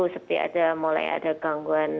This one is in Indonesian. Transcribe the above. seperti ada mulai ada gangguan